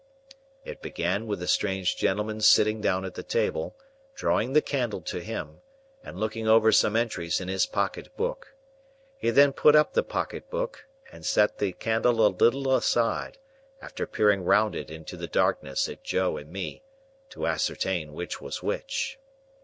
It began with the strange gentleman's sitting down at the table, drawing the candle to him, and looking over some entries in his pocket book. He then put up the pocket book and set the candle a little aside, after peering round it into the darkness at Joe and me, to ascertain which was which.